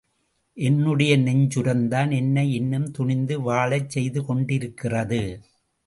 என்னுடைய நெஞ்சுரம்தான் என்னை இன்னும் துணிந்து வாழச் செய்து கொண்டிருக்கிறது.